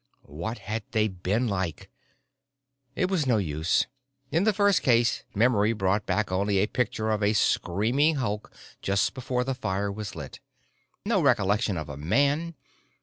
What had they been like? It was no use. In the first case, memory brought back only a picture of a screaming hulk just before the fire was lit. No recollection of a man.